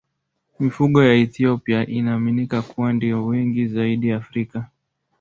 Mifugo ya Ethiopia inaaminika kuwa ndiyo wengi zaidi Afrika.